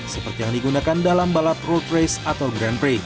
seperti yang digunakan dalam balap road race atau grand prix